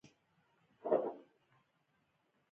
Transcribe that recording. که افغانیت رښتیا ویاړ لري، ولې خلک تېښته کوي؟